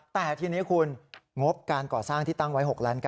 แต่ทีนี้คุณงบการก่อสร้างที่ตั้งไว้๖ล้าน